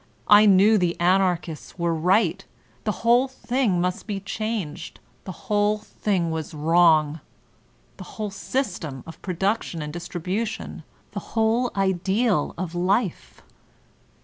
I knew the Anarchists were right, — the whole thing must be changed, the whole thing was wrong, — the whole system of pro duction and distribution, the whole ideal of life.